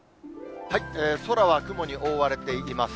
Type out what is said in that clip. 空は雲に覆われています。